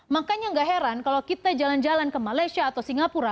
makanya gak heran kalau kita jalan jalan ke malaysia atau singapura